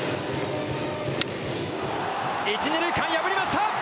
１、２塁間破りました！